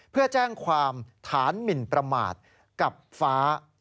เพื่อแจ้งความฐานหมินประมาทกับฟ้า